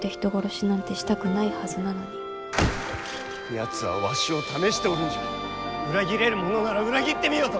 やつはわしを試しておるんじゃ裏切れるものなら裏切ってみよと！